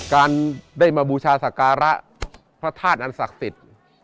การได้มาบูชาศักระพระท่านอันศักดิต